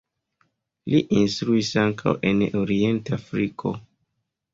Li instruis ankaŭ en Orienta Afriko.